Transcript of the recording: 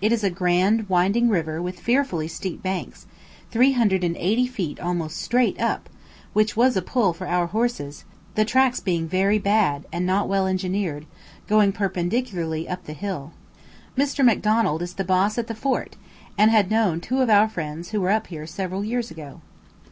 It is a grand winding river with fearfully steep banks, 380 feet almost straight up, which was a pull for our horses, the tracks being very, bad, and not well engineered, going perpendicularly up the hill. Mr. Macdonald is the "boss" at the fort, and had known two of our friends who were up here several years ago.